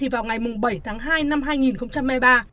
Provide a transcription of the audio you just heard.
vào ngày bảy tháng hai năm hai nghìn hai mươi ba